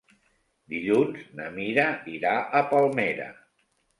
Dilluns na Mira irà a Palmera.